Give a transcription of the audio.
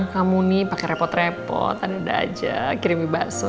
kamu nih pakai repot repot tanda tanda aja kirim mie bakso